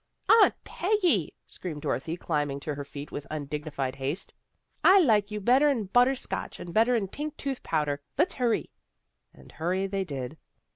" Aunt Peggy! " screamed Dorothy, climb ing to her feet with undignified haste. " I like you better'n butter scotch, and better'n pink tooth powder. Let's hurry." And hurry they did.